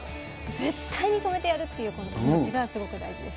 絶対に止めてやるっていう気持ちがすごく大事です。